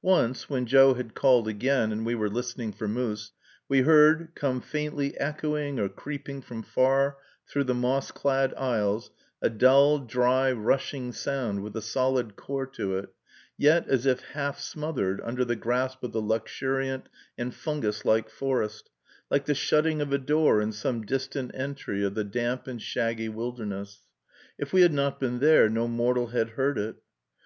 Once, when Joe had called again, and we were listening for moose, we heard, come faintly echoing, or creeping from far through the moss clad aisles, a dull, dry, rushing sound with a solid core to it, yet as if half smothered under the grasp of the luxuriant and fungus like forest, like the shutting of a door in some distant entry of the damp and shaggy wilderness. If we had not been there, no mortal had heard it.